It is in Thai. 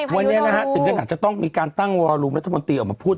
วันนี้นะฮะถึงขนาดจะต้องมีการตั้งวอลูมรัฐมนตรีออกมาพูด